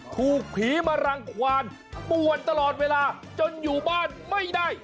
ถูกผีมารังควานป่วนตลอดเวลาจนอยู่บ้านไม่ได้